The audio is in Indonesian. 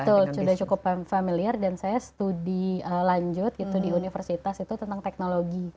betul sudah cukup familiar dan saya studi lanjut gitu di universitas itu tentang teknologi